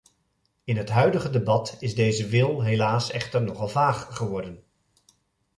In het huidige debat is deze wil helaas echter nogal vaag geworden.